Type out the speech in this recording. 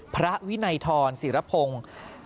พระวินัยทรศิรพงศ์